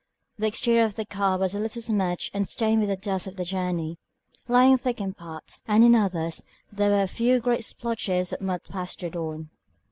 The exterior of the car was a little smirched and stained with the dust of the journey, lying thick in parts, and in others there were a few great splotches of mud plastered on.